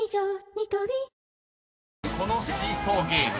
ニトリ［この『シーソーゲーム』